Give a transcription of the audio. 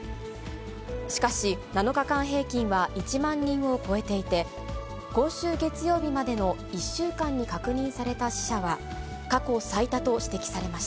しかし、７日間平均は１万人を超えていて、今週月曜日までの１週間に確認された死者は過去最多と指摘されま